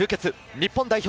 日本代表。